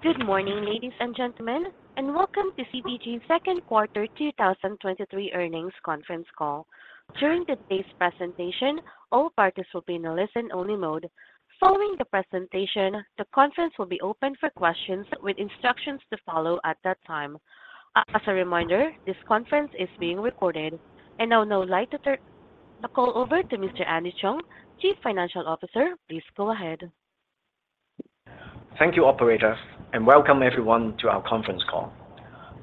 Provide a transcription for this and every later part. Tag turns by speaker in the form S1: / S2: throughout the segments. S1: Good morning, ladies and gentlemen, and welcome to CVG's second quarter 2023 earnings conference call. During today's presentation, all parties will be in a listen-only mode. Following the presentation, the conference will be open for questions with instructions to follow at that time. As a reminder, this conference is being recorded. Now I would like to turn the call over to Mr. Andy Cheung, Chief Financial Officer. Please go ahead.
S2: Thank you, Operator, and welcome everyone to our conference call.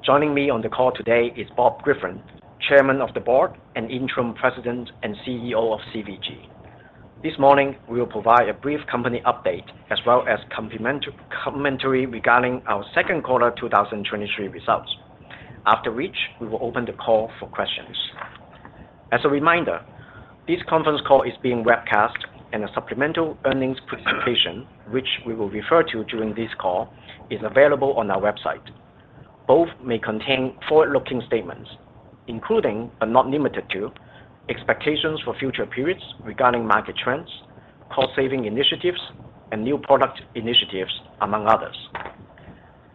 S2: Joining me on the call today is Bob Griffin, Chairman of the Board and Interim President and CEO of CVG. This morning, we will provide a brief company update as well as commentary regarding our second quarter 2023 results. After which, we will open the call for questions. As a reminder, this conference call is being webcast, and a supplemental earnings presentation, which we will refer to during this call, is available on our website. Both may contain forward-looking statements, including, but not limited to, expectations for future periods regarding market trends, cost-saving initiatives, and new product initiatives, among others.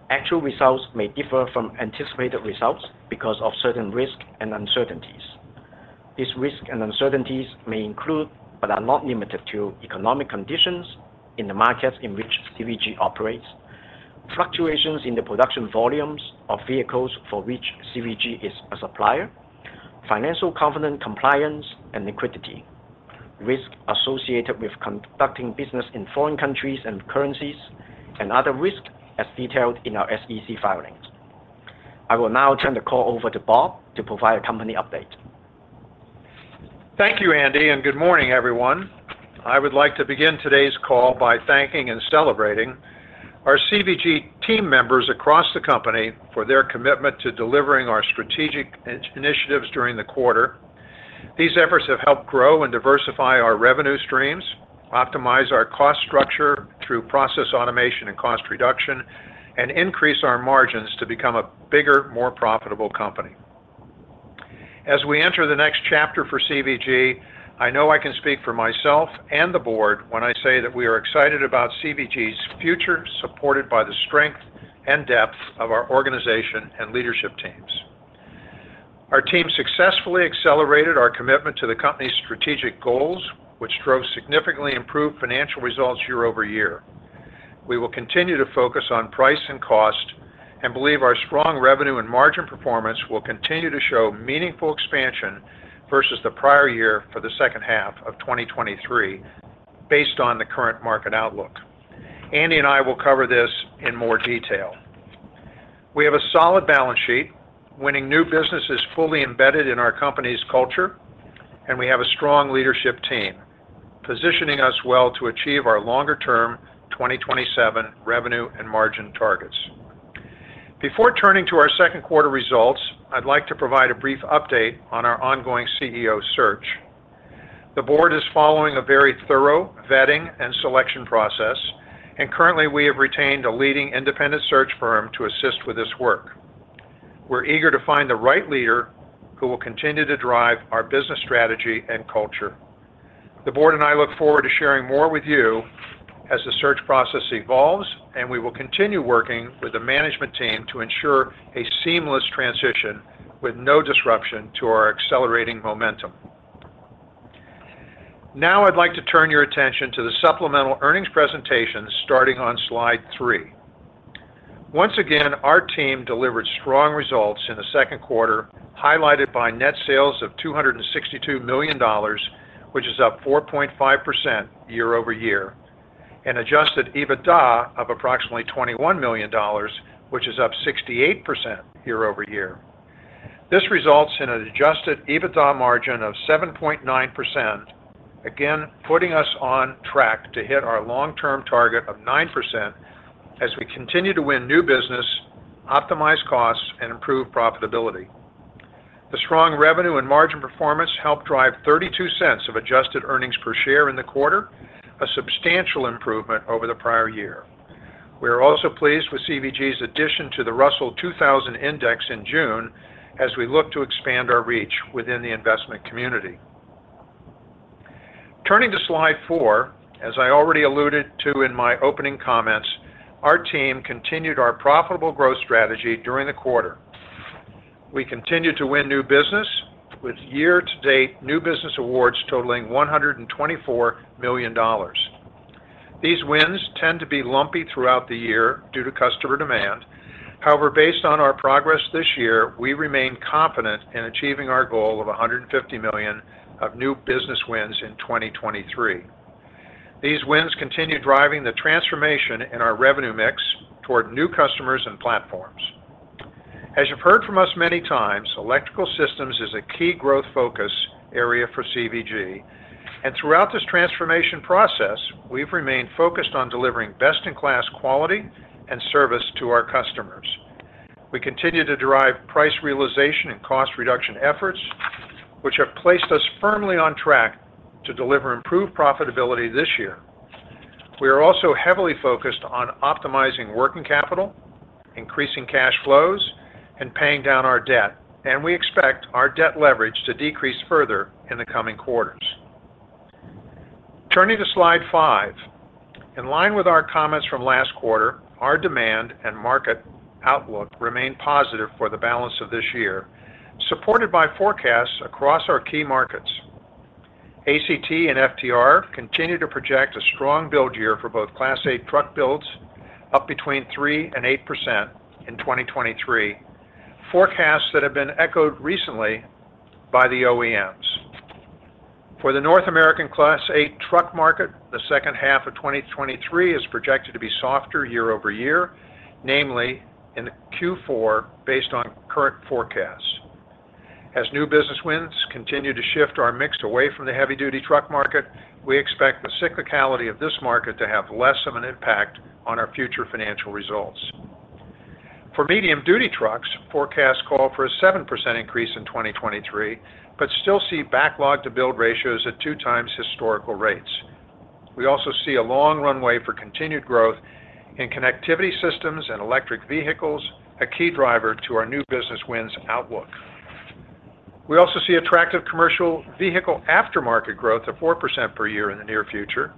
S2: Actual results may differ from anticipated results because of certain risks and uncertainties. These risks and uncertainties may include, but are not limited to, economic conditions in the markets in which CVG operates, fluctuations in the production volumes of vehicles for which CVG is a supplier, financial covenant compliance and liquidity, risk associated with conducting business in foreign countries and currencies, and other risks as detailed in our SEC filings. I will now turn the call over to Bob to provide a company update.
S3: Thank you, Andy. Good morning, everyone. I would like to begin today's call by thanking and celebrating our CVG team members across the company for their commitment to delivering our strategic initiatives during the quarter. These efforts have helped grow and diversify our revenue streams, optimize our cost structure through process automation and cost reduction, and increase our margins to become a bigger, more profitable company. As we enter the next chapter for CVG, I know I can speak for myself and the board when I say that we are excited about CVG's future, supported by the strength and depth of our organization and leadership teams. Our team successfully accelerated our commitment to the company's strategic goals, which drove significantly improved financial results year-over-year. We will continue to focus on price and cost, believe our strong revenue and margin performance will continue to show meaningful expansion versus the prior year for the second half of 2023, based on the current market outlook. Andy and I will cover this in more detail. We have a solid balance sheet, winning new business is fully embedded in our company's culture, we have a strong leadership team, positioning us well to achieve our longer-term 2027 revenue and margin targets. Before turning to our second quarter results, I'd like to provide a brief update on our ongoing CEO search. The board is following a very thorough vetting and selection process, currently, we have retained a leading independent search firm to assist with this work. We're eager to find the right leader who will continue to drive our business strategy and culture. The board and I look forward to sharing more with you as the search process evolves. We will continue working with the management team to ensure a seamless transition with no disruption to our accelerating momentum. Now, I'd like to turn your attention to the supplemental earnings presentation starting on slide 3. Once again, our team delivered strong results in the second quarter, highlighted by net sales of $262 million, which is up 4.5% year-over-year, and Adjusted EBITDA of approximately $21 million, which is up 68% year-over-year. This results in an Adjusted EBITDA margin of 7.9%, again, putting us on track to hit our long-term target of 9% as we continue to win new business, optimize costs, and improve profitability. The strong revenue and margin performance helped drive $0.32 of adjusted earnings per share in the quarter, a substantial improvement over the prior year. We are also pleased with CVG's addition to the Russell 2000 Index in June as we look to expand our reach within the investment community. Turning to slide 4, as I already alluded to in my opening comments, our team continued our profitable growth strategy during the quarter. We continued to win new business with year-to-date new business awards totaling $124 million. These wins tend to be lumpy throughout the year due to customer demand. However, based on our progress this year, we remain confident in achieving our goal of $150 million of new business wins in 2023. These wins continue driving the transformation in our revenue mix toward new customers and platforms. As you've heard from us many times, Electrical Systems is a key growth focus area for CVG. Throughout this transformation process, we've remained focused on delivering best-in-class quality and service to our customers. We continue to drive price realization and cost reduction efforts, which have placed us firmly on track to deliver improved profitability this year. We are also heavily focused on optimizing working capital, increasing cash flows, and paying down our debt. We expect our debt leverage to decrease further in the coming quarters. Turning to slide 5. In line with our comments from last quarter, our demand and market outlook remain positive for the balance of this year, supported by forecasts across our key markets. ACT and FTR continue to project a strong build year for both Class 8 truck builds, up between 3% and 8% in 2023, forecasts that have been echoed recently by the OEMs. For the North American Class 8 truck market, the second half of 2023 is projected to be softer year-over-year, namely in Q4, based on current forecasts. As new business wins continue to shift our mix away from the heavy-duty truck market, we expect the cyclicality of this market to have less of an impact on our future financial results. For medium-duty trucks, forecasts call for a 7% increase in 2023, but still see backlog-to-build ratios at 2x historical rates. We also see a long runway for continued growth in connectivity systems and electric vehicles, a key driver to our new business wins outlook. We also see attractive commercial vehicle aftermarket growth of 4% per year in the near future,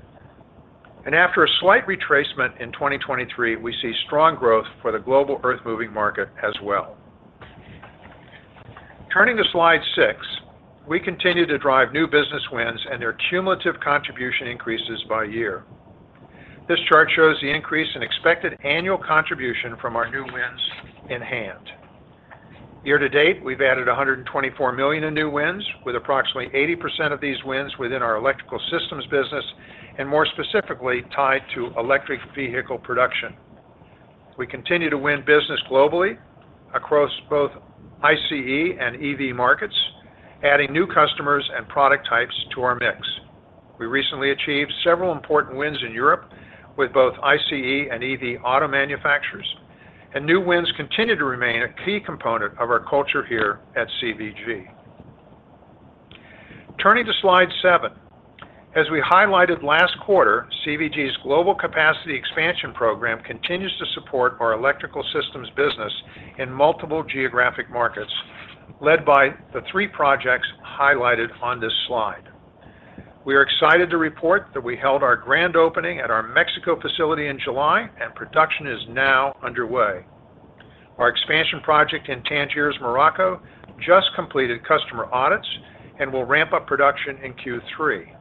S3: and after a slight retracement in 2023, we see strong growth for the global earthmoving market as well. Turning to slide 6, we continue to drive new business wins and their cumulative contribution increases by year. This chart shows the increase in expected annual contribution from our new wins in hand. Year to date, we've added $124 million in new wins, with approximately 80% of these wins within our Electrical Systems business, and more specifically, tied to Electric Vehicle production. We continue to win business globally across both ICE and EV markets, adding new customers and product types to our mix. We recently achieved several important wins in Europe with both ICE and EV auto manufacturers. New wins continue to remain a key component of our culture here at CVG. Turning to slide 7. As we highlighted last quarter, CVG's global capacity expansion program continues to support our Electrical Systems business in multiple geographic markets, led by the three projects highlighted on this slide. We are excited to report that we held our grand opening at our Mexico facility in July. Production is now underway. Our expansion project in Tangier, Morocco, just completed customer audits and will ramp up production in Q3.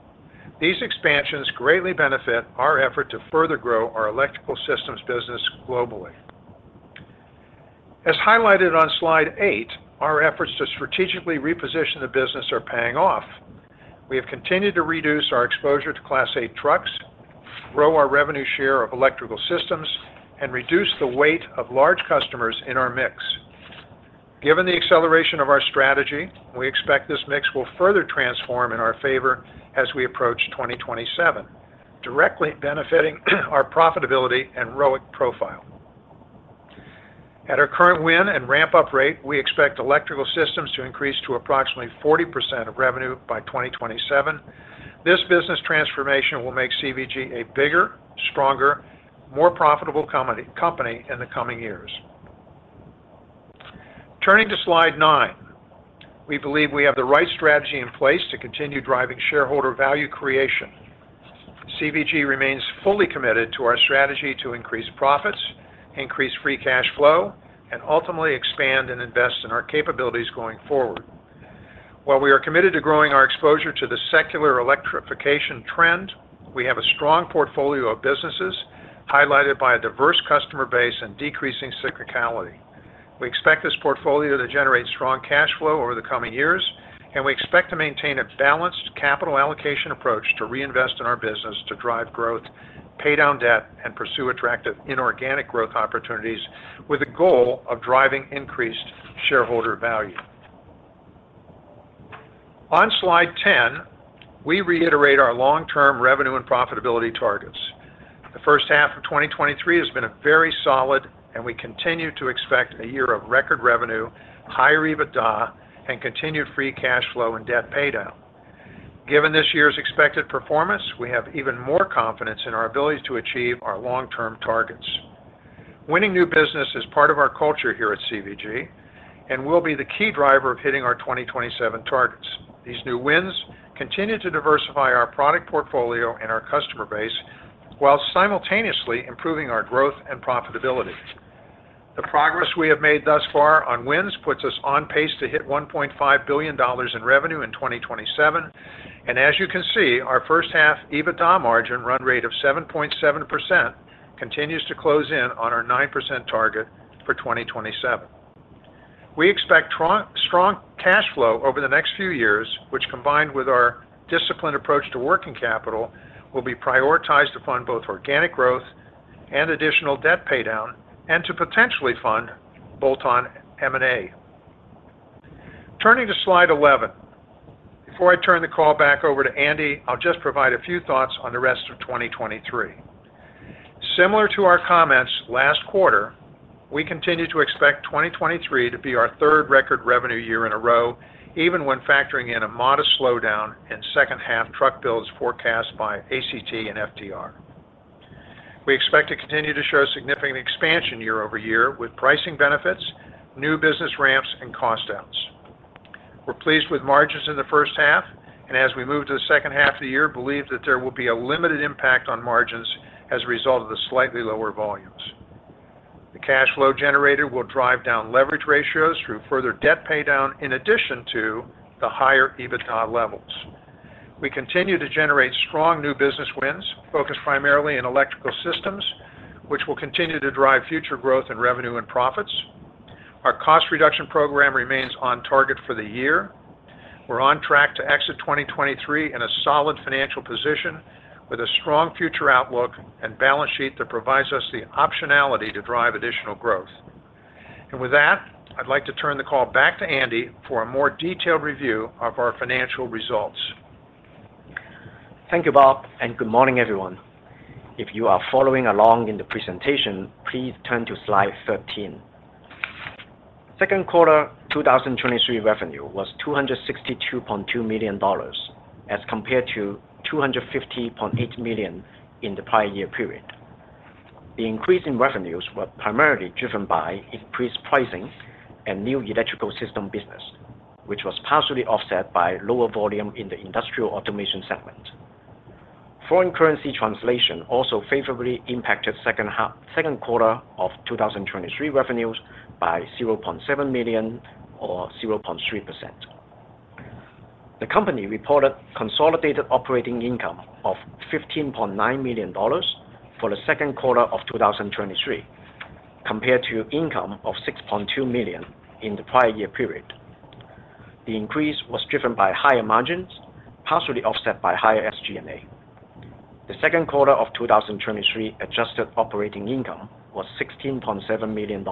S3: These expansions greatly benefit our effort to further grow our Electrical Systems business globally. As highlighted on slide 8, our efforts to strategically reposition the business are paying off. We have continued to reduce our exposure to Class 8 trucks, grow our revenue share of Electrical Systems, and reduce the weight of large customers in our mix. Given the acceleration of our strategy, we expect this mix will further transform in our favor as we approach 2027, directly benefiting our profitability and ROIC profile. At our current win and ramp-up rate, we expect Electrical Systems to increase to approximately 40% of revenue by 2027. This business transformation will make CVG a bigger, stronger, more profitable company in the coming years. Turning to slide nine. We believe we have the right strategy in place to continue driving shareholder value creation. CVG remains fully committed to our strategy to increase profits, increase free cash flow, and ultimately expand and invest in our capabilities going forward. While we are committed to growing our exposure to the secular electrification trend, we have a strong portfolio of businesses, highlighted by a diverse customer base and decreasing cyclicality. We expect this portfolio to generate strong cash flow over the coming years, and we expect to maintain a balanced capital allocation approach to reinvest in our business to drive growth, pay down debt, and pursue attractive inorganic growth opportunities, with the goal of driving increased shareholder value. On slide 10, we reiterate our long-term revenue and profitability targets. The first half of 2023 has been very solid, and we continue to expect a year of record revenue, higher EBITDA, and continued free cash flow and debt paydown. Given this year's expected performance, we have even more confidence in our ability to achieve our long-term targets. Winning new business is part of our culture here at CVG, and will be the key driver of hitting our 2027 targets. These new wins continue to diversify our product portfolio and our customer base, while simultaneously improving our growth and profitability. The progress we have made thus far on wins puts us on pace to hit $1.5 billion in revenue in 2027, and as you can see, our first half EBITDA margin run rate of 7.7% continues to close in on our 9% target for 2027. We expect strong cash flow over the next few years, which, combined with our disciplined approach to working capital, will be prioritized to fund both organic growth and additional debt paydown, and to potentially fund bolt-on M&A. Turning to slide 11. Before I turn the call back over to Andy, I'll just provide a few thoughts on the rest of 2023. Similar to our comments last quarter, we continue to expect 2023 to be our third record revenue year in a row, even when factoring in a modest slowdown in 2nd half truck builds forecast by ACT and FTR. We expect to continue to show significant expansion year-over-year, with pricing benefits, new business ramps, and cost outs. We're pleased with margins in the 1st half, and as we move to the 2nd half of the year, believe that there will be a limited impact on margins as a result of the slightly lower volumes. The cash flow generator will drive down leverage ratios through further debt paydown, in addition to the higher EBITDA levels. We continue to generate strong new business wins, focused primarily in Electrical Systems, which will continue to drive future growth in revenue and profits. Our cost reduction program remains on target for the year. We're on track to exit 2023 in a solid financial position with a strong future outlook and balance sheet that provides us the optionality to drive additional growth. With that, I'd like to turn the call back to Andy for a more detailed review of our financial results.
S2: Thank you, Bob. Good morning, everyone. If you are following along in the presentation, please turn to slide 13. Second quarter 2023 revenue was $262.2 million, as compared to $250.8 million in the prior year period. The increase in revenues were primarily driven by increased pricing and new Electrical Systems business, which was partially offset by lower volume in the Industrial Automation segment. Foreign currency translation also favorably impacted second quarter of 2023 revenues by $0.7 million or 0.3%. The company reported consolidated operating income of $15.9 million for the second quarter of 2023, compared to income of $6.2 million in the prior year period. The increase was driven by higher margins, partially offset by higher SG&A. The second quarter of 2023 adjusted operating income was $16.7 million.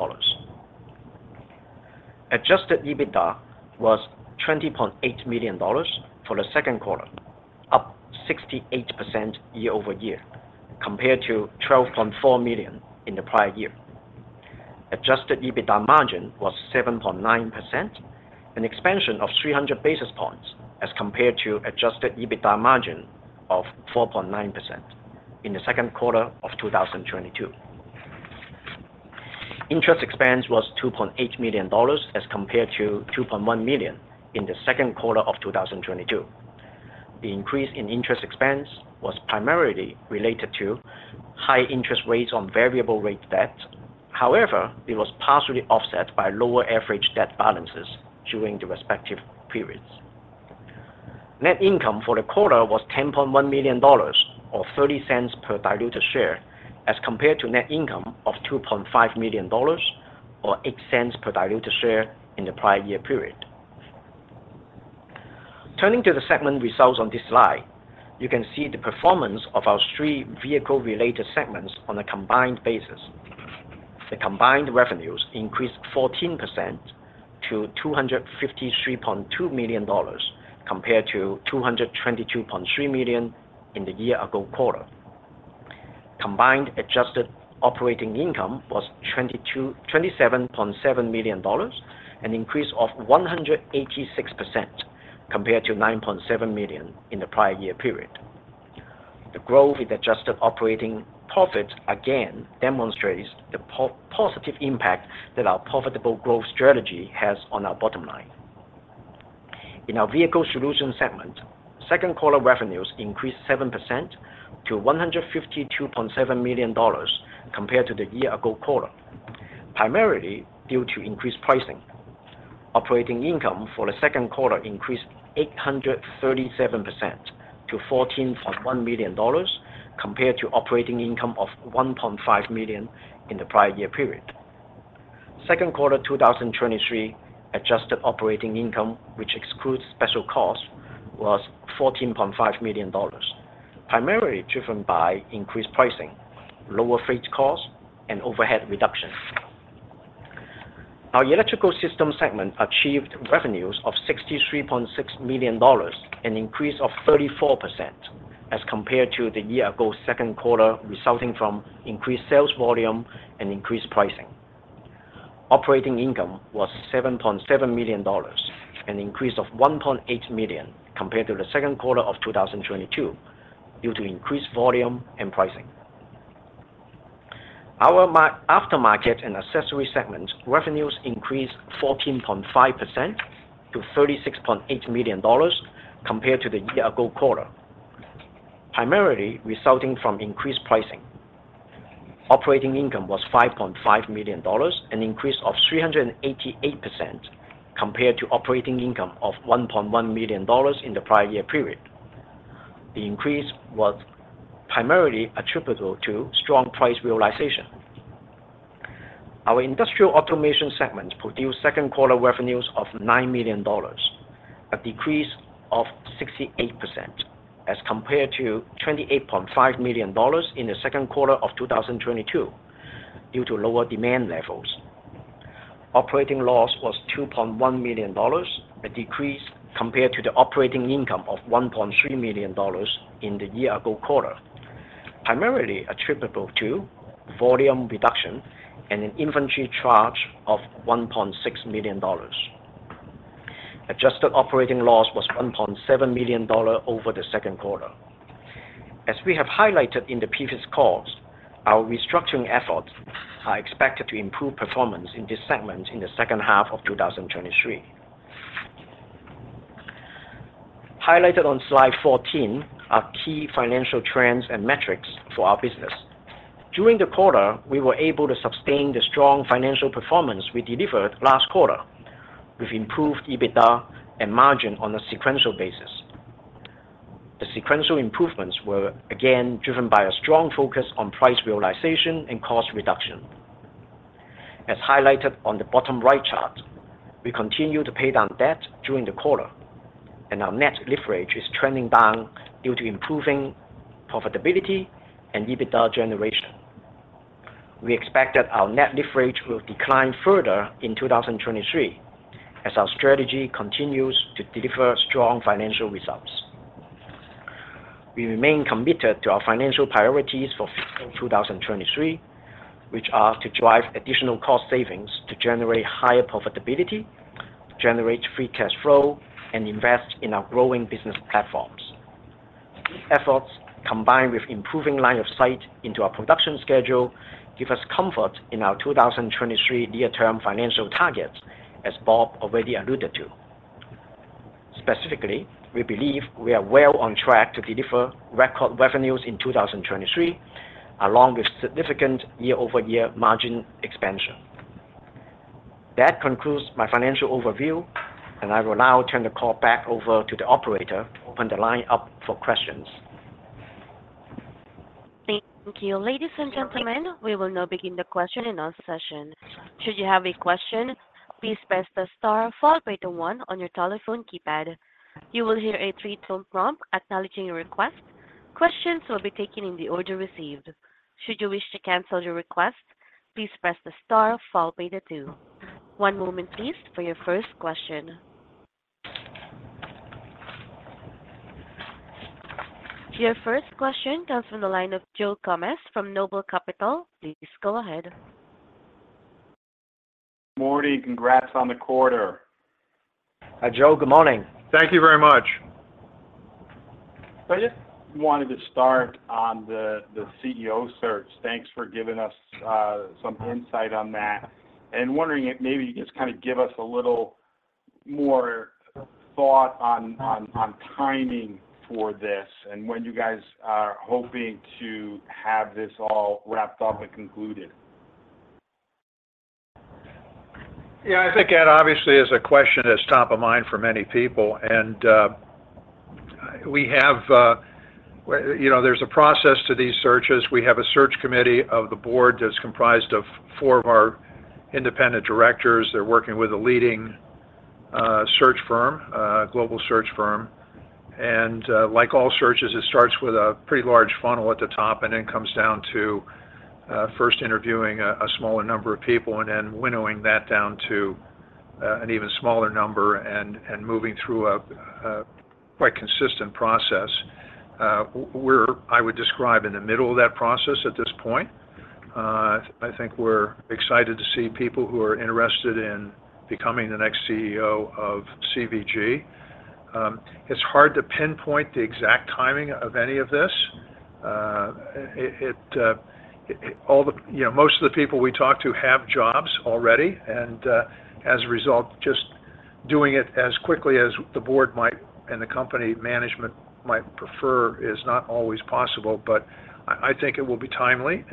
S2: Adjusted EBITDA was $20.8 million for the second quarter, up 68% year-over-year, compared to $12.4 million in the prior year. Adjusted EBITDA margin was 7.9%, an expansion of 300 basis points as compared to Adjusted EBITDA margin of 4.9% in the second quarter of 2022. Interest expense was $2.8 million, as compared to $2.1 million in the second quarter of 2022. The increase in interest expense was primarily related to high interest rates on variable rate debt. However, it was partially offset by lower average debt balances during the respective periods. Net income for the quarter was $10.1 million, or $0.30 per diluted share, as compared to net income of $2.5 million, or $0.08 per diluted share in the prior year period. Turning to the segment results on this slide, you can see the performance of our three vehicle-related segments on a combined basis. The combined revenues increased 14% to $253.2 million, compared to $222.3 million in the year ago quarter. Combined adjusted operating income was $27.7 million, an increase of 186% compared to $9.7 million in the prior year period. The growth in adjusted operating profit again demonstrates the positive impact that our profitable growth strategy has on our bottom line. In our Vehicle Solutions segment, second quarter revenues increased 7% to $152.7 million compared to the year ago quarter, primarily due to increased pricing. Operating income for the second quarter increased 837% to $14.1 million, compared to operating income of $1.5 million in the prior year period. Second quarter 2023 adjusted operating income, which excludes special costs, was $14.5 million, primarily driven by increased pricing, lower freight costs, and overhead reductions. Our Electrical Systems segment achieved revenues of $63.6 million, an increase of 34% as compared to the year ago second quarter, resulting from increased sales volume and increased pricing. Operating income was $7.7 million, an increase of $1.8 million compared to the second quarter of 2022, due to increased volume and pricing. Our Aftermarket & Accessories segment revenues increased 14.5% to $36.8 million compared to the year ago quarter, primarily resulting from increased pricing. Operating income was $5.5 million, an increase of 388% compared to operating income of $1.1 million in the prior year period. The increase was primarily attributable to strong price realization. Our Industrial Automation segment produced second quarter revenues of $9 million, a decrease of 68% as compared to $28.5 million in the second quarter of 2022, due to lower demand levels. Operating loss was $2.1 million, a decrease compared to the operating income of $1.3 million in the year-ago quarter, primarily attributable to volume reduction and an inventory charge of $1.6 million. Adjusted operating loss was $1.7 million over the second quarter. As we have highlighted in the previous calls, our restructuring efforts are expected to improve performance in this segment in the second half of 2023. Highlighted on slide 14 are key financial trends and metrics for our business. During the quarter, we were able to sustain the strong financial performance we delivered last quarter, with improved EBITDA and margin on a sequential basis. The sequential improvements were again, driven by a strong focus on price realization and cost reduction. As highlighted on the bottom right chart, we continued to pay down debt during the quarter, and our net leverage is trending down due to improving profitability and EBITDA generation. We expect that our net leverage will decline further in 2023, as our strategy continues to deliver strong financial results. We remain committed to our financial priorities for fiscal 2023, which are to drive additional cost savings to generate higher profitability, generate free cash flow, and invest in our growing business platforms. These efforts, combined with improving line of sight into our production schedule, give us comfort in our 2023 year term financial targets, as Bob already alluded to. Specifically, we believe we are well on track to deliver record revenues in 2023, along with significant year-over-year margin expansion. That concludes my financial overview, and I will now turn the call back over to the operator to open the line up for questions.
S1: Thank you. Ladies and gentlemen, we will now begin the question and answer session. Should you have a question, please press the star followed by the one on your telephone keypad. You will hear a three-tone prompt acknowledging your request. Questions will be taken in the order received. Should you wish to cancel your request, please press the star followed by the two. One moment, please, for your first question. Your first question comes from the line of Joe Gomes from Noble Capital. Please go ahead.
S4: Morning. Congrats on the quarter.
S2: Hi, Joe. Good morning.
S4: Thank you very much. I just wanted to start on the, the CEO search. Thanks for giving us some insight on that, and wondering if maybe you can just kind of give us a little more thought on, on, on timing for this and when you guys are hoping to have this all wrapped up and concluded.
S3: I think that obviously is a question that's top of mind for many people, and, well, you know, there's a process to these searches. We have a search committee of the board that's comprised of four of our independent directors. They're working with a leading search firm, global search firm. Like all searches, it starts with a pretty large funnel at the top and then comes down to first interviewing a smaller number of people and then winnowing that down to an even smaller number and moving through a quite consistent process. We're, I would describe, in the middle of that process at this point. I think we're excited to see people who are interested in becoming the next CEO of CVG. It's hard to pinpoint the exact timing of any of this. It, it, all the... You know, most of the people we talk to have jobs already, and as a result, just doing it as quickly as the board might and the company management might prefer is not always possible, but I think it will be timely.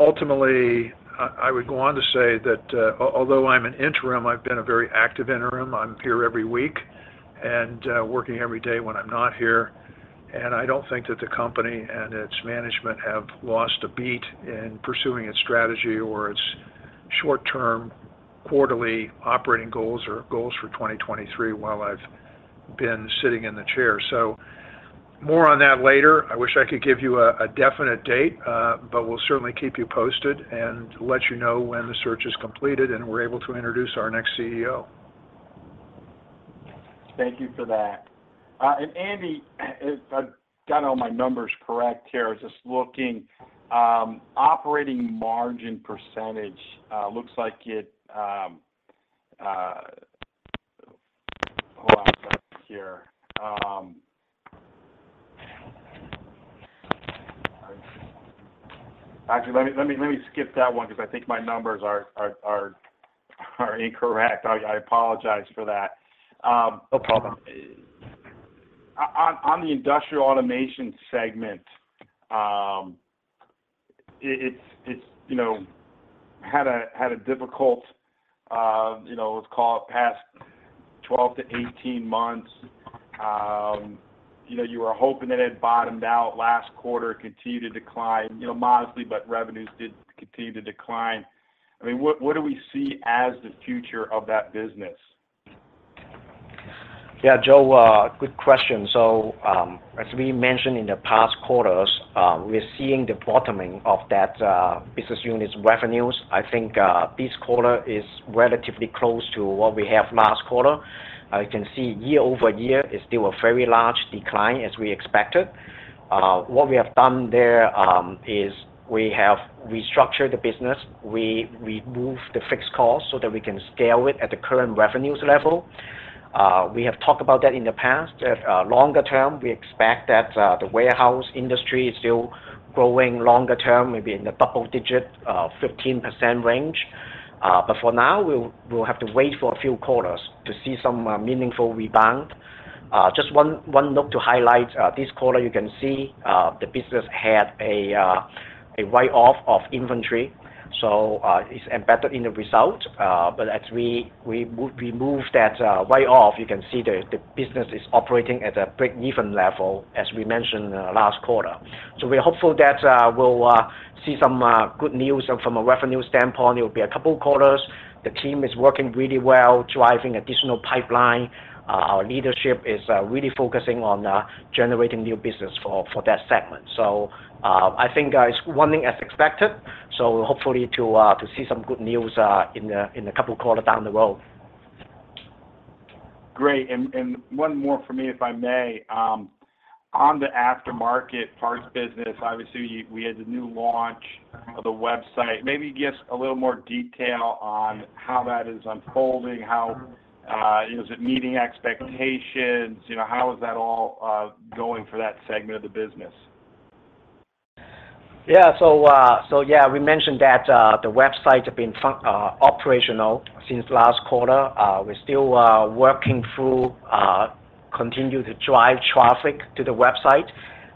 S3: Ultimately, I I would go on to say that although I'm an interim, I've been a very active interim. I'm here every week and working every day when I'm not here, and I don't think that the company and its management have lost a beat in pursuing its strategy or its short-term, quarterly operating goals or goals for 2023 while I've been sitting in the chair. More on that later. I wish I could give you a definite date, but we'll certainly keep you posted and let you know when the search is completed, and we're able to introduce our next CEO.
S4: Thank you for that. Andy, if I've got all my numbers correct here, just looking, operating margin percentage, looks like it. Hold on a second here. Actually, let me, let me, let me skip that one because I think my numbers are, are, are, are incorrect. I, I apologize for that.
S2: No problem.
S4: on, on the Industrial Automation segment, it's, you know, had a, had a difficult, you know, let's call it past 12-18 months. you know, you were hoping that it bottomed out last quarter, continued to decline, you know, modestly, revenues did continue to decline. I mean, what, what do we see as the future of that business?
S2: Yeah, Joe, good question. As we mentioned in the past quarters, we're seeing the bottoming of that business unit's revenues. I think, this quarter is relatively close to what we have last quarter. You can see year-over-year is still a very large decline as we expected. What we have done there is we have restructured the business. We, we moved the fixed costs so that we can scale it at the current revenues level. We have talked about that in the past. If, longer term, we expect that the warehouse industry is still growing longer term, maybe in the double digit, 15% range. For now, we'll, we'll have to wait for a few quarters to see some meaningful rebound. Just one, one note to highlight this quarter, you can see the business had a write-off of inventory, it's embedded in the result. As we remove that write-off, you can see the business is operating at a break-even level, as we mentioned last quarter. We're hopeful that we'll see some good news from a revenue standpoint. It will be a couple quarters. The team is working really well, driving additional pipeline. Our leadership is really focusing on generating new business for that segment. I think it's running as expected, hopefully to see some good news in a couple of quarter down the road.
S4: Great. One more for me, if I may. On the aftermarket parts business, obviously, we had the new launch of the website. Maybe give us a little more detail on how that is unfolding, how is it meeting expectations? You know, how is that all going for that segment of the business?
S2: We mentioned that the website had been operational since last quarter. We're still working through, continue to drive traffic to the website.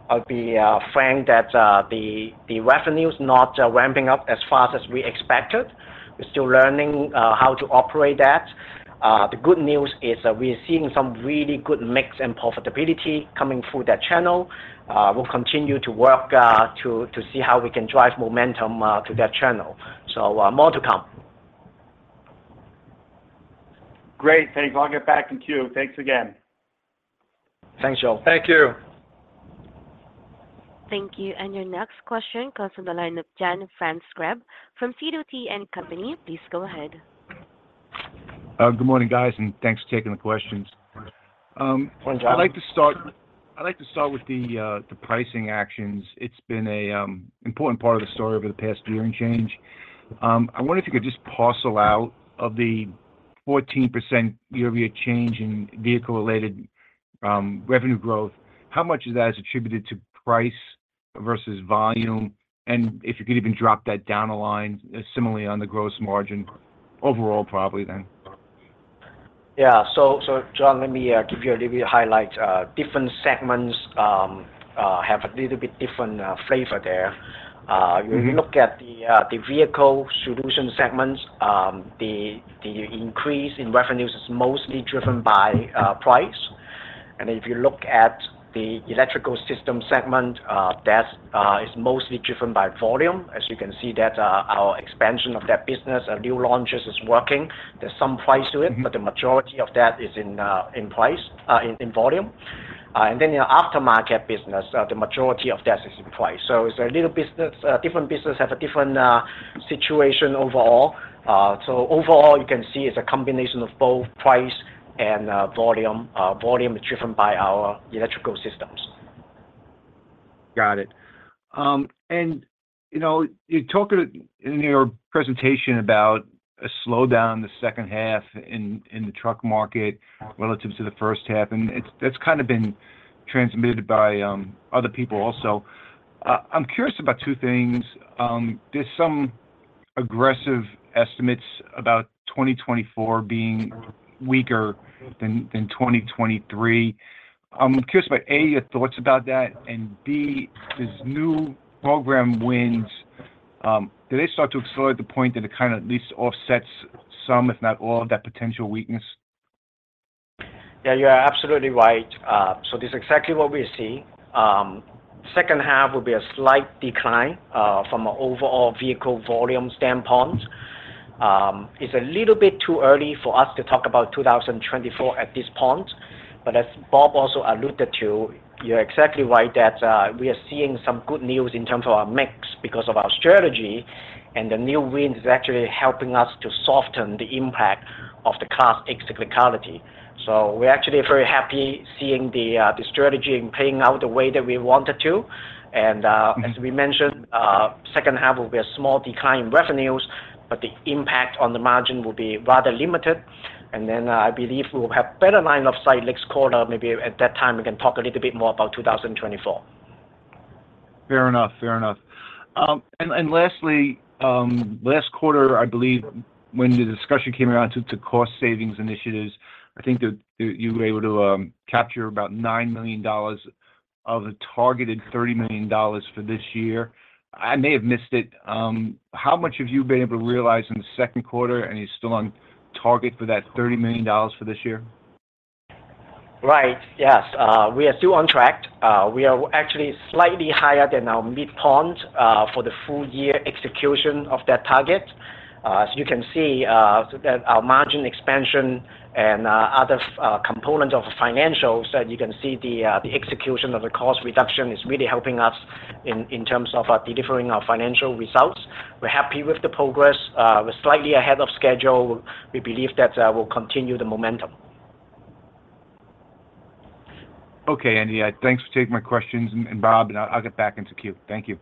S2: I'll be frank that the revenue is not ramping up as fast as we expected. We're still learning how to operate that. The good news is that we're seeing some really good mix and profitability coming through that channel. We'll continue to work to see how we can drive momentum to that channel. More to come.
S4: Great. Thanks. I'll get back in queue. Thanks again.
S2: Thanks, Joe.
S4: Thank you.
S1: Thank you. Your next question comes from the line of John Franzreb from Sidoti & Company. Please go ahead.
S5: Good morning, guys, and thanks for taking the questions.
S2: Good morning, John.
S5: I'd like to start with the pricing actions. It's been a important part of the story over the past year and change. I wondered if you could just parcel out of the 14% year-over-year change in vehicle-related revenue growth, how much of that is attributed to price versus volume, and if you could even drop that down the line, similarly on the gross margin overall, probably then?
S2: Yeah. so, John, let me give you a little bit of highlight. different segments have a little bit different flavor there.
S5: Mm-hmm.
S2: If you look at the Vehicle Solutions segments, the increase in revenues is mostly driven by price. If you look at the Electrical Systems segment, that is mostly driven by volume. As you can see that, our expansion of that business, our new launches is working. There's some price to it.
S5: Mm-hmm.
S2: The majority of that is in price, in volume. Your aftermarket business, the majority of that is in price. It's a little business, different business have a different situation overall. Overall, you can see it's a combination of both price and volume. Volume is driven by our Electrical Systems.
S5: Got it. You know, you talked in your presentation about a slowdown in the second half in, in the truck market relative to the first half, and that's kind of been transmitted by other people also. I'm curious about 2 things. There's some aggressive estimates about 2024 being weaker than 2023. I'm curious about, A, your thoughts about that, and B, this new program wins, do they start to accelerate the point that it kinda at least offsets some, if not all, of that potential weakness?
S2: Yeah, you are absolutely right. This is exactly what we see. Second half will be a slight decline from an overall vehicle volume standpoint. It's a little bit too early for us to talk about 2024 at this point, but as Bob also alluded to, you're exactly right that we are seeing some good news in terms of our mix because of our strategy, and the new win is actually helping us to soften the impact of the class cyclicality. We're actually very happy seeing the strategy and playing out the way that we want it to.
S5: Mm-hmm.
S2: As we mentioned, second half will be a small decline in revenues, but the impact on the margin will be rather limited. I believe we'll have better line of sight next quarter. Maybe at that time, we can talk a little bit more about 2024.
S5: Fair enough. Fair enough. Lastly, last quarter, I believe, when the discussion came around to, to cost savings initiatives, I think that you, you were able to capture about $9 million of the targeted $30 million for this year. I may have missed it. How much have you been able to realize in the second quarter, and are you still on target for that $30 million for this year?
S2: Right. Yes, we are still on track. We are actually slightly higher than our midpoint, for the full year execution of that target. You can see, that our margin expansion and, other, components of financials, and you can see the, the execution of the cost reduction is really helping us in, in terms of, delivering our financial results. We're happy with the progress. We're slightly ahead of schedule. We believe that, we'll continue the momentum.
S5: Okay, Andy, thanks for taking my questions, and, and Bob, and I'll, I'll get back into queue. Thank you.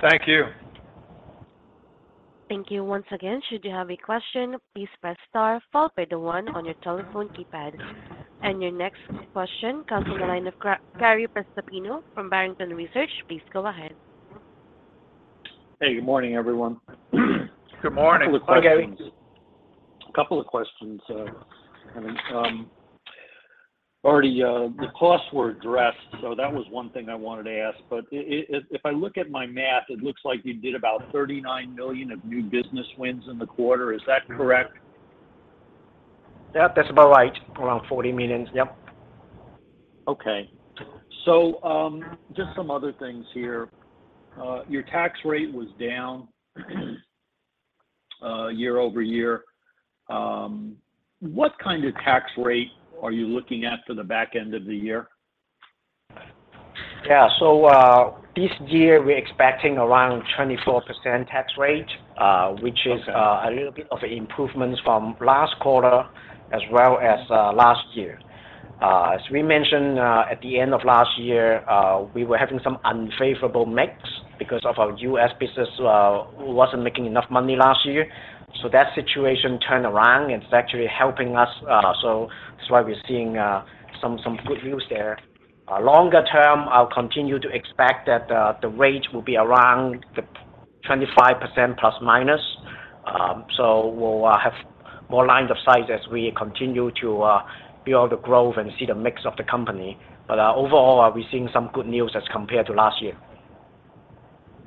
S3: Thank you.
S1: Thank you. Once again, should you have a question, please press star followed by the one on your telephone keypad. Your next question comes from the line of Gary Prestopino from Barrington Research. Please go ahead.
S6: Hey, good morning, everyone.
S3: Good morning.
S6: Couple of questions. A couple of questions, I mean, already, the costs were addressed, so that was one thing I wanted to ask, but if I look at my math, it looks like you did about $39 million of new business wins in the quarter. Is that correct?
S2: Yeah, that's about right. Around $40 million. Yep.
S6: Okay. Just some other things here. Your tax rate was down year-over-year. What kind of tax rate are you looking at for the back end of the year?
S2: Yeah. This year, we're expecting around 24% tax rate, which is-
S6: Okay
S2: a little bit of improvements from last quarter as well as last year. As we mentioned, at the end of last year, we were having some unfavorable mix because of our US business wasn't making enough money last year. That situation turned around, and it's actually helping us, so that's why we're seeing some good news there. Longer term, I'll continue to expect that the rate will be around the 25%±. We'll have more line of sight as we continue to build the growth and see the mix of the company. Overall, we're seeing some good news as compared to last year.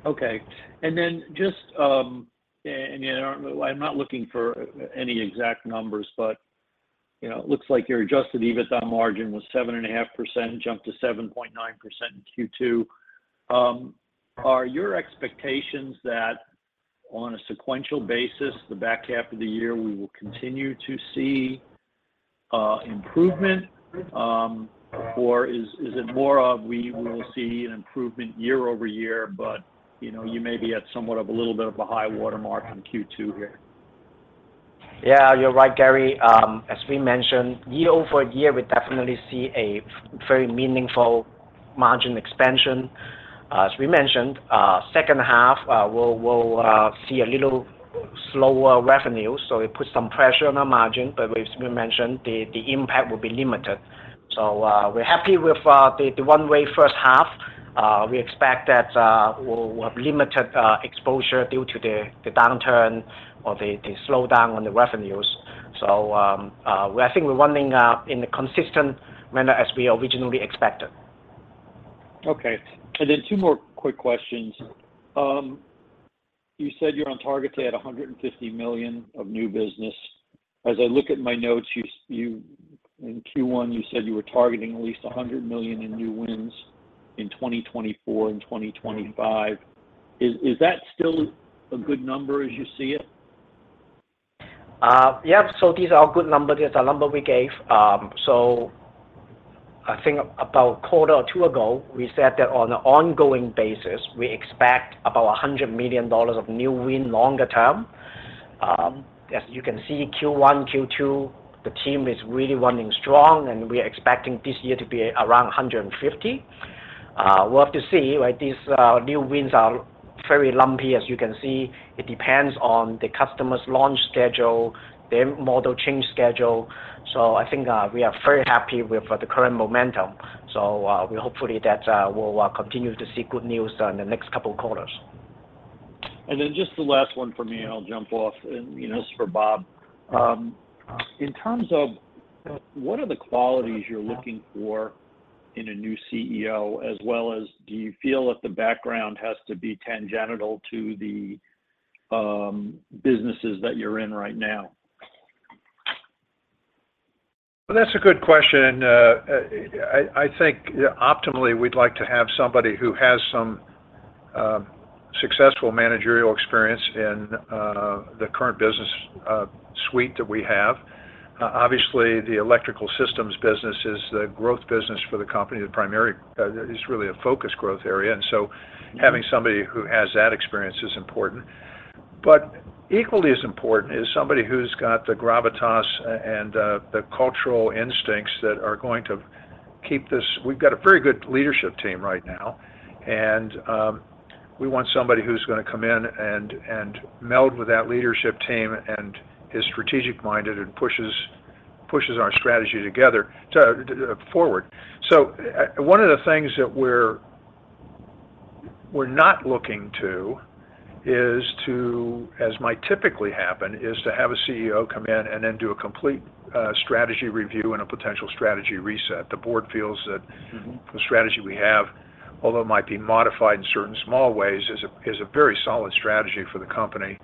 S6: Okay. Just, I'm not looking for any exact numbers, you know, it looks like your Adjusted EBITDA margin was 7.5%, jumped to 7.9% in Q2. Are your expectations that on a sequential basis, the back half of the year, we will continue to see improvement? Is it more of we will see an improvement year-over-year, but, you know, you may be at somewhat of a little bit of a high watermark in Q2 here?
S2: Yeah, you're right, Gary. As we mentioned, year-over-year, we definitely see a very meaningful margin expansion. As we mentioned, second half, we'll, we'll see a little slower revenue, so it put some pressure on the margin, but as we mentioned, the, the impact will be limited. We're happy with the one-way first half. We expect that we'll have limited exposure due to the downturn or the slowdown on the revenues. I think we're running in a consistent manner as we originally expected.
S6: Okay. Two more quick questions. You said you're on target to hit $150 million of new business. As I look at my notes, in Q1, you said you were targeting at least $100 million in new wins in 2024 and 2025. Is that still a good number as you see it?
S2: Yep. These are all good numbers. These are numbers we gave. I think about a quarter or two ago, we said that on an ongoing basis, we expect about $100 million of new win longer term. As you can see, Q1, Q2, the team is really running strong, and we are expecting this year to be around $150 million. We'll have to see, right? These new wins are very lumpy, as you can see. It depends on the customer's launch schedule, their model change schedule. I think we are very happy with the current momentum, we hopefully that we'll continue to see good news on the next couple of quarters.
S6: Just the last one for me, and I'll jump off, and, you know, this is for Bob. In terms of what are the qualities you're looking for in a new CEO, as well as do you feel that the background has to be tangential to the businesses that you're in right now?
S3: Well, that's a good question, and, I, I think optimally, we'd like to have somebody who has some successful managerial experience in the current business suite that we have. Obviously, the Electrical Systems segment is the growth business for the company. The primary is really a focus growth area, and so having somebody who has that experience is important. Equally as important is somebody who's got the gravitas and the cultural instincts that are going to keep. We've got a very good leadership team right now, and, we want somebody who's gonna come in and, and meld with that leadership team and is strategic-minded and pushes, pushes our strategy together to forward. One of the things that we're, we're not looking to is to, as might typically happen, is to have a CEO come in and then do a complete, strategy review and a potential strategy reset. The board feels that.
S6: Mm-hmm...
S3: the strategy we have, although it might be modified in certain small ways, is a, is a very solid strategy for the company.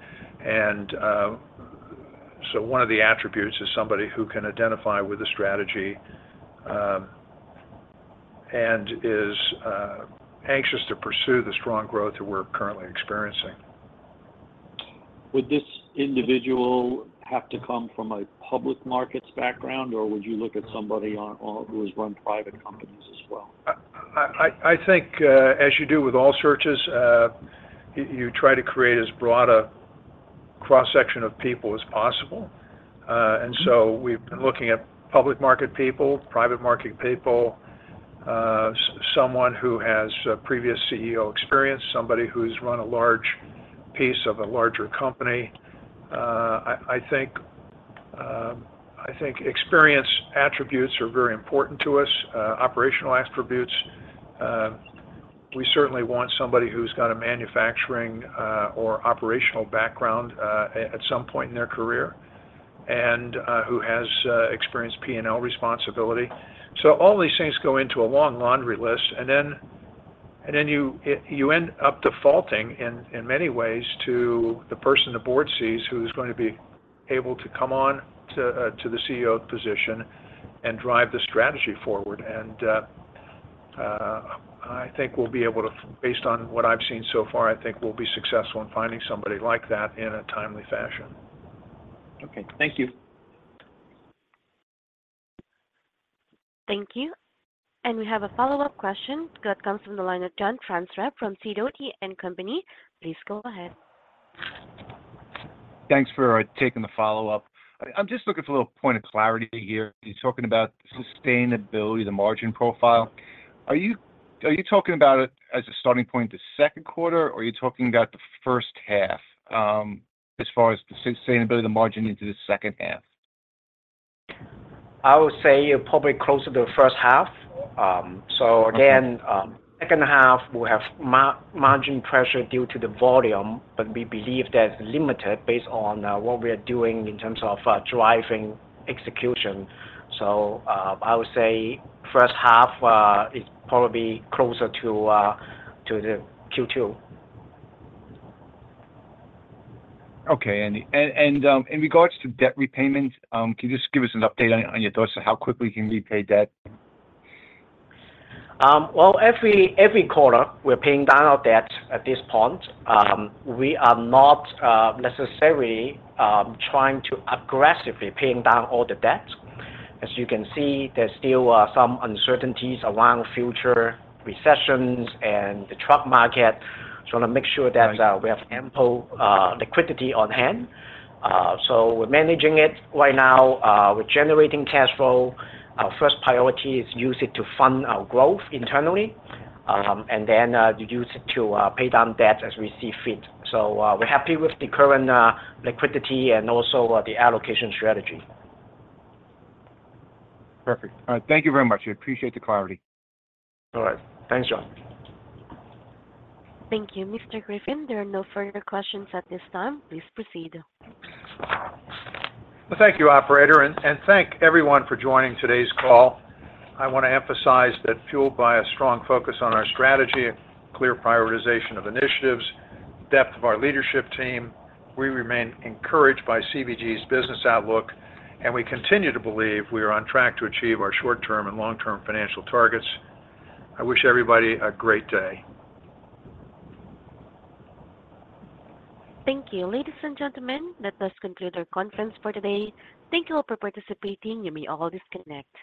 S3: One of the attributes is somebody who can identify with the strategy and is anxious to pursue the strong growth that we're currently experiencing.
S6: Would this individual have to come from a public markets background, or would you look at somebody on who has run private companies as well?
S3: I think, as you do with all searches, you try to create as broad a cross-section of people as possible. We've been looking at public market people, private market people, someone who has previous CEO experience, somebody who's run a large piece of a larger company. I think experience attributes are very important to us, operational attributes. We certainly want somebody who's got a manufacturing or operational background at some point in their career, and who has experience P&L responsibility. All these things go into a long laundry list, and then, and then you end up defaulting in, in many ways to the person the board sees who's going to be able to come on to the CEO position and drive the strategy forward. I think we'll be able to... Based on what I've seen so far, I think we'll be successful in finding somebody like that in a timely fashion.
S2: Okay. Thank you.
S1: Thank you. We have a follow-up question that comes from the line of John Franzreb from Sidoti & Company. Please go ahead.
S5: Thanks for taking the follow-up. I'm just looking for a little point of clarity here. You're talking about sustainability, the margin profile. Are you talking about it as a starting point, the second quarter, or are you talking about the first half, as far as the sustainability, the margin into the second half?
S2: I would say probably closer to the first half. again-
S5: Okay.
S2: Second half, we'll have margin pressure due to the volume, but we believe that's limited based on what we are doing in terms of driving execution. I would say first half is probably closer to to the Q2.
S5: Okay. In regards to debt repayment, can you just give us an update on your thoughts on how quickly you can repay debt?
S2: Well, every, every quarter we're paying down our debt at this point. We are not necessarily trying to aggressively paying down all the debt. As you can see, there's still some uncertainties around future recessions and the truck market. Just wanna make sure that we have ample liquidity on hand. We're managing it right now. We're generating cash flow. Our first priority is use it to fund our growth internally, and then use it to pay down debt as we see fit. We're happy with the current liquidity and also the allocation strategy.
S5: Perfect. All right. Thank you very much. I appreciate the clarity.
S2: All right. Thanks, John.
S1: Thank you, Mr. Griffin. There are no further questions at this time. Please proceed.
S3: Thank you, operator, and thank everyone for joining today's call. I want to emphasize that fueled by a strong focus on our strategy, clear prioritization of initiatives, depth of our leadership team, we remain encouraged by CVG's business outlook, and we continue to believe we are on track to achieve our short-term and long-term financial targets. I wish everybody a great day.
S1: Thank you. Ladies and gentlemen, that does conclude our conference for today. Thank you all for participating. You may all disconnect.